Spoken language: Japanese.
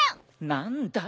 何だ？